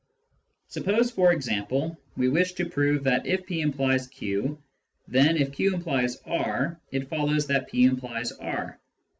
Suppose, for example, we wish to prove that if p implies q, then if q implies r it follows that p implies r